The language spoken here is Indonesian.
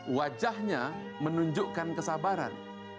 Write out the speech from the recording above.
wajahnya menunjukkan kesabaran